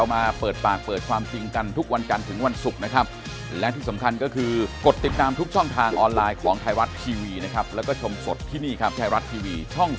ไม่ได้หนี